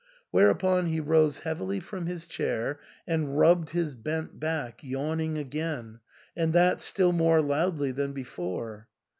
Whereupon he rose heavily from his chair and rubbed his bent back, yawning again, and that still more loudly than before.